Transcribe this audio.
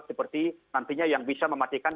seperti nantinya yang bisa mematikan